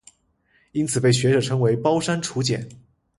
因此被学者称为包山楚简。